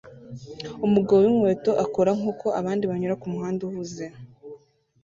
Umugabo winkweto akora nkuko abandi banyura kumuhanda uhuze